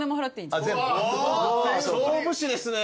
勝負師ですね。